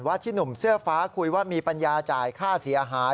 ที่หนุ่มเสื้อฟ้าคุยว่ามีปัญญาจ่ายค่าเสียหาย